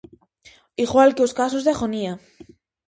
Igual que os casos de agonía.